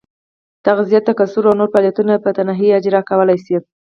تغذیه، تکثر او نور فعالیتونه په تنهایي اجرا کولای شي.